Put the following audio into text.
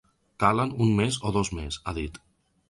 “Calen un mes o dos més”, ha dit.